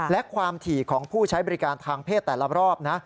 และความถี่ของผู้ใช้บริการทางเพศแต่ละรอบนะ